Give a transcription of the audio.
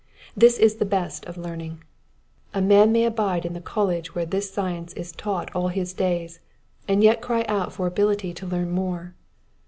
This is the best of learning. A man may abide in the College where this science is taught all his days, and yet cry out for ability to learn more.